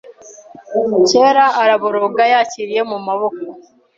Kera araboroga yakiriye mumaboko